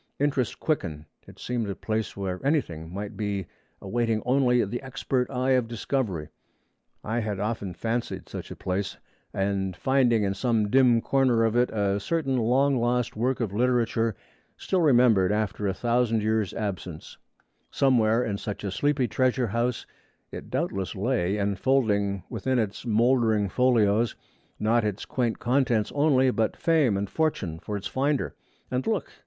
Interest quickened. It seemed a place where anything might be, awaiting only the expert eye of discovery. I had often fancied such a place, and finding in some dim corner of it a certain long lost work of literature still remembered after a thousand years' absence; somewhere in such a sleepy treasure house it doubtless lay, enfolding within its mouldering folios, not its quaint contents only, but fame and fortune for its finder. And look!